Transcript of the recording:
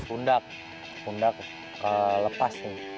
undak undak lepas nih